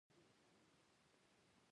فایروالونه د سایبري بریدونو مخه نیسي.